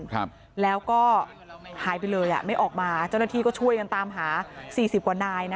ครับแล้วก็หายไปเลยอ่ะไม่ออกมาเจ้าหน้าที่ก็ช่วยกันตามหาสี่สิบกว่านายนะ